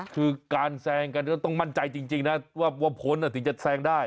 คือการแซงกันก็ต้องมั่นใจจริงนะว่าพ้นถึงจะแซงได้